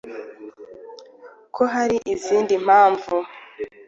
ko hari izindi mpamvu